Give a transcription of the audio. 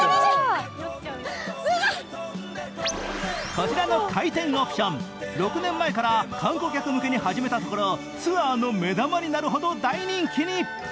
こちらの回転オプション、６年前から観光客向けに始めたところツアーの目玉になるほど大人気に。